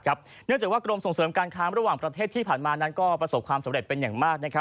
เนื่องจากว่ากรมส่งเสริมการค้าระหว่างประเทศที่ผ่านมานั้นก็ประสบความสำเร็จเป็นอย่างมาก